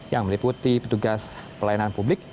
yang meliputi petugas pelayanan publik